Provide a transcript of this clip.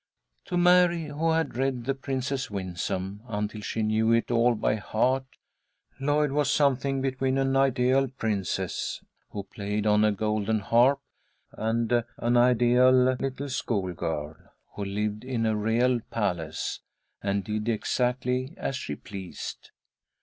To Mary, who had read the "Princess Winsome" until she knew it all by heart, Lloyd was something between an ideal princess, who played on a golden harp, and an ideal little schoolgirl, who lived in a real palace, and did exactly as she pleased.